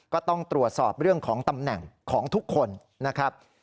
ก็ต้องตรวจสอบเรื่องของตำแหน่งของทุกคนนะครับ